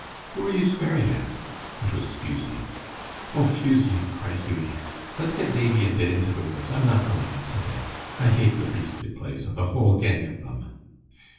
"Who are you swearing at?" It was Fusie. "Oh, Fusie," cried Hughie, "let's get Davie and get into the woods. I'm not going in to day. I hate the beastly place, and the whole gang of them."